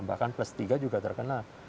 bahkan plus tiga juga terkena